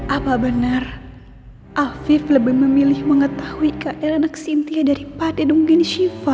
apa benar afif lebih memilih mengetahui kl naksintia daripada nungguin siva